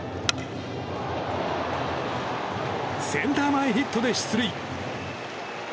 センター前ヒットで出塁。